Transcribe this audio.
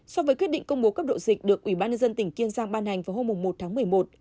so với quyết định công bố cấp độ dịch được ủy ban nhân dân tỉnh kiên giang ban hành vào hôm một tháng một mươi một